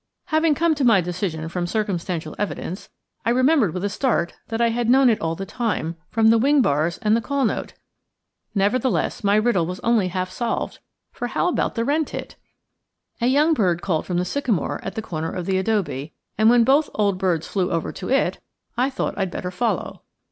Having come to my decision from circumstantial evidence, I remembered with a start that I had known it all the time, from the wing bars and the call note! Nevertheless, my riddle was only half solved, for how about the wren tit? A young bird called from the sycamore at the corner of the adobe, and when both old birds flew over to it, I thought I'd better follow.